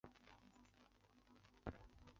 本届决赛实施新赛制。